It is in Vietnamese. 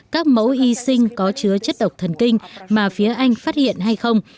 các mẫu y sinh có chứa chất độc thần kinh mà phía anh phát hiện hay không